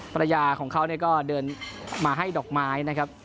ภรรยาของเขาก็เดินมาให้ดอกไม้นะครับ